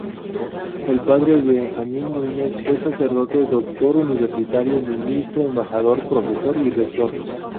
El Padre Benjamín Núñez fue sacerdote, doctor universitario, ministro, embajador, profesor y rector.